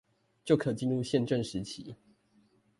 就可進入憲政時期